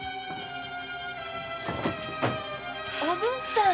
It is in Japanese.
おぶんさん。